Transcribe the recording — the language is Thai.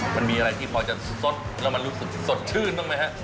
มันมีอะไรที่พอจะสดแล้วมันรู้สึกสดชื่นบ้างไหมฮะ